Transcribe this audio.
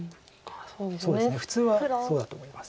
そうですね普通はそうだと思います。